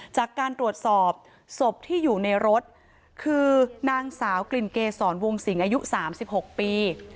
จากการตรวจสอบศพที่อยู่ในรถคือนางสาวกลิ่นเกษรวงสิงอายุ๓๖ปี